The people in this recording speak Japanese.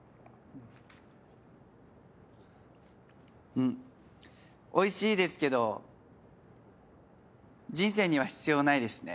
うんおいしいですけど人生には必要ないですね。